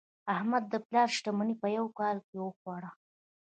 احمد د پلار شتمني په یوه کال کې وخوړه.